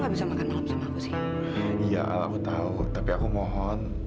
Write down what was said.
iya aku tau tapi aku mohon